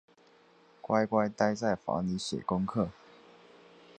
乖乖待在房里写功课